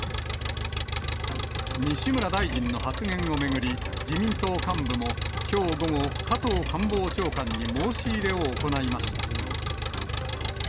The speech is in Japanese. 西村大臣の発言を巡り、自民党幹部もきょう午後、加藤官房長官に申し入れを行いました。